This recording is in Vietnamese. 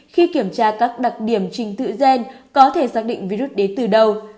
khi kiểm tra các đặc điểm trình tự gen có thể xác định virus đến từ đâu